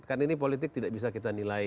kan ini politik tidak bisa kita nilai